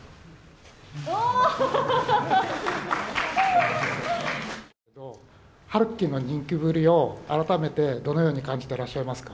おー！陽喜くんの人気ぶりを、改めてどのように感じてらっしゃいますか？